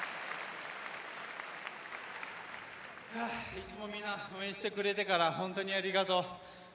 いつも、みんな応援してくれて本当にありがとう。